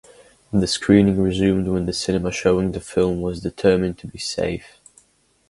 The screening resumed when the cinema showing the film was determined to be safe.